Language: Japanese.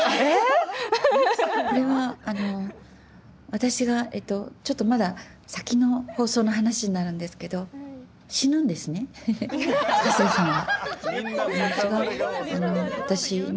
これは私がちょっとまだ先の放送の話になるんですけど死ぬんですね、春日さんは。